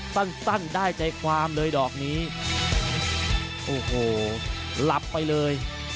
สั้นสั้นได้ใจความเลยดอกนี้โอ้โหหลับไปเลย